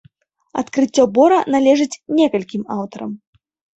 Адкрыццё бора належыць некалькім аўтарам.